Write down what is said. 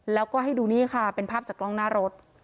แล้วก็ให้ดูนี่ค่ะเป็นภาพจากกล้องหน้ารถ